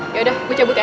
yaudah gue cabut ya